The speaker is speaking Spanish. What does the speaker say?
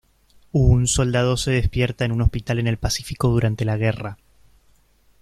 Un soldado se despierta en un hospital en el Pacífico durante la guerra.